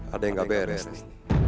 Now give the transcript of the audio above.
ada yang gak beres nih